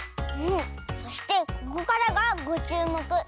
そしてここからがごちゅうもく。